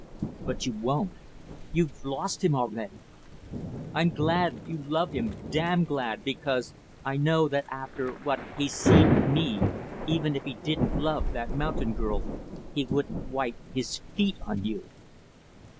But you won't. You've lost him already. I'm glad you love him damn glad because I know that after what he's seen of me even if he didn't love that mountain girl, he wouldn't wipe his feet on you.